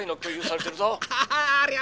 「ありゃ！